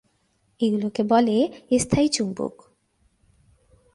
এগুলোকে বলে স্থায়ী চুম্বক।